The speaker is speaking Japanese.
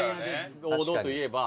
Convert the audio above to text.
王道といえば。